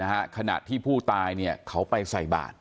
นะฮะขนาดที่ผู้ตายเนี่ยเข้าไปใส่บาท